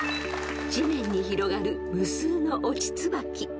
［地面に広がる無数の落ち椿］